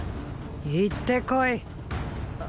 行ってこい。